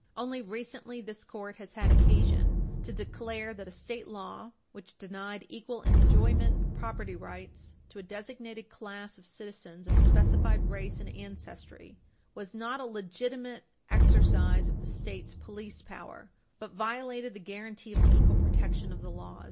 Only recently, this Court had occasion to declare that a state law which denied equal enjoyment of property rights to a designated class of citizens of specified race and ancestry was not a legitimate exercise of the state's police power, but violated the guaranty of the equal protection of the laws.